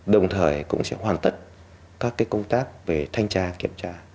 đồng thời cũng sẽ hoàn tất các công tác về thanh tra kiểm tra